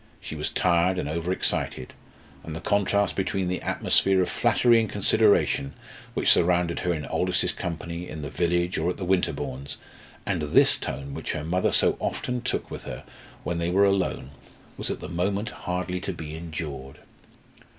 She was tired and over excited, and the contrast between the atmosphere of flattery and consideration which surrounded her in Aldous's company, in the village, or at the Winterbournes, and this tone which her mother so often took with her when they were alone, was at the moment hardly to be endured.